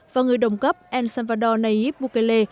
và người đồng cấp el salvador nayib bukele